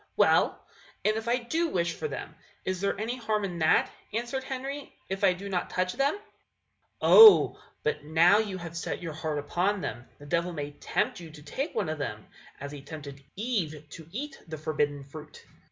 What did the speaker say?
"Well, and if I do wish for them, is there any harm in that," answered Henry, "if I do not touch them?" Lucy. "Oh! but now you have set your heart upon them, the devil may tempt you to take one of them, as he tempted Eve to eat the forbidden fruit.